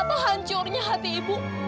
betapa hancurnya hati ibu